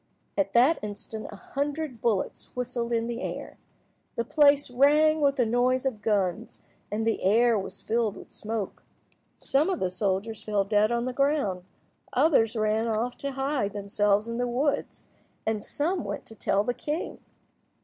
At that instant a hundred bullets whistled in the air. The place rang with the noise of guns, and the air was filled with smoke. Some of the soldiers fell dead on the ground, others ran off to hide themselves in the woods, and some went to tell the king.